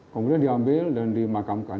kemudian diambil dan dimakamkan